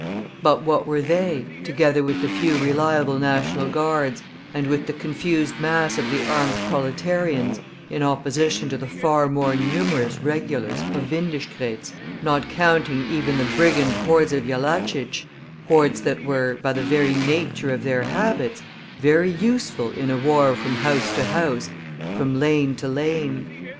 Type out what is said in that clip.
But what were they, together with the few reliable National Guards, and with the confused mass of the armed proletarians, in opposition to the far more numerous regulars of Windischgrätz, not counting even the brigand hordes of Jellachich, hordes that were, by the very nature of their habits, very useful in a war from house to house, from lane to lane?